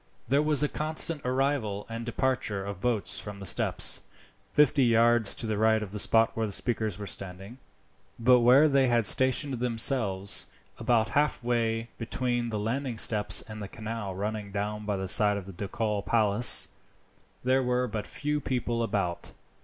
There was a constant arrival and departure of boats from the steps, fifty yards to the right of the spot where the speakers were standing; but where they had stationed themselves, about halfway between the landing steps and the canal running down by the side of the ducal palace, there were but few people about.